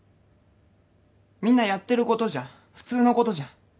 みんなやってることじゃん普通のこと